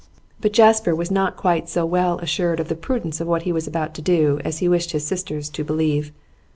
But Jasper was not quite so well assured of the prudence of what he was about to do as he wished his sisters to believe.